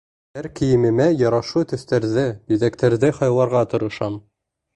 Һәр кейемемә ярашлы төҫтәрҙе, биҙәктәрҙе һайларға тырышам.